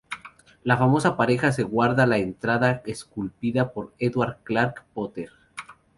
La famosa pareja se guarda la entrada esculpida por Edward Clark Potter.